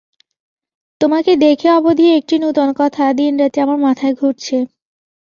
তোমাকে দেখে অবধি একটি নূতন কথা দিনরাত্রি আমার মাথায় ঘুরছে।